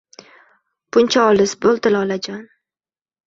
buncha olis boʼldi, lolajon?